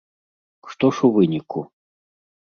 Што ж у выніку?